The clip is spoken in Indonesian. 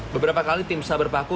beberapa kali tim saber paku